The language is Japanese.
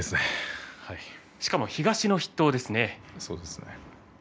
しかも東の筆頭ですね。